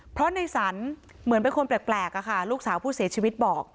เพราะในสรรเหมือนเป็นคนแปลกอะค่ะลูกสาวผู้เสียชีวิตบอก